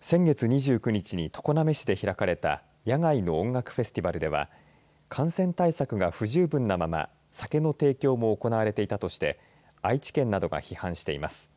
先月２９日に常滑市で開かれた、野外の音楽フェスティバルでは感染対策が不十分なまま、酒の提供も行われていたとして愛知県などが批判しています。